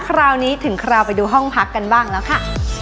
คราวนี้ถึงคราวไปดูห้องพักกันบ้างแล้วค่ะ